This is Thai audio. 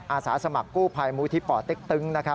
อาสาสมัครกู้ภัยมูลที่ป่อเต็กตึง